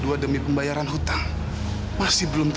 aini jangan tinggal di situ